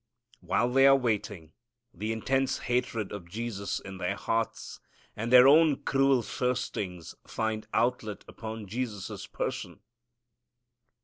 While they are waiting, the intense hatred of Jesus in their hearts and their own cruel thirstings find outlet upon Jesus' person.